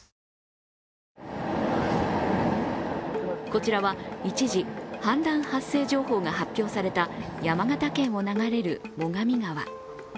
こちらは一時、氾濫発生情報が発表された山形県を流れる最上川。